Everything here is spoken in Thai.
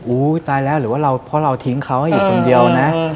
อู๋ตายแล้วหรือว่าเราเพราะเราทิ้งเขาอีกคนเดียวนะ